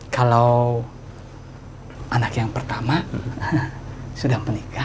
kalau anak yang pertama sudah menikah